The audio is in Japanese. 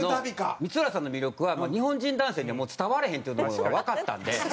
光浦さんの魅力は日本人男性にはもう伝われへんっていうのがわかったんで。